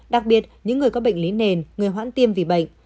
đặc biệt những người có bệnh lý nền người hoãn tiêm vì bệnh